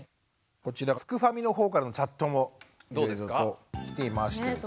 こちらすくファミのほうからのチャットもいろいろと来ていましてですね。